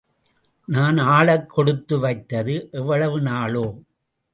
நான் ஆளக் கொடுத்து வைத்தது எவ்வளவு நாளோ?